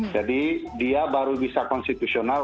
jadi dia baru bisa konstitusional